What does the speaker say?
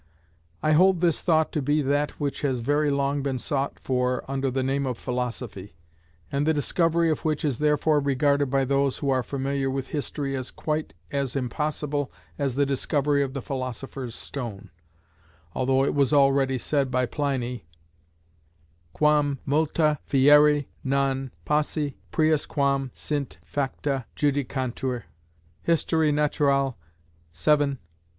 I hold this thought to be that which has very long been sought for under the name of philosophy, and the discovery of which is therefore regarded by those who are familiar with history as quite as impossible as the discovery of the philosopher's stone, although it was already said by Pliny: Quam multa fieri non posse, priusquam sint facta, judicantur? (Hist. nat. 7, 1.)